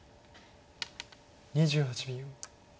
２８秒。